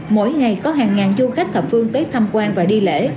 mỗi ngày có hàng ngàn du khách thập phương tới tham quan và đi lễ